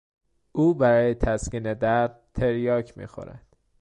او برای تسکین درد تریاک میخورد.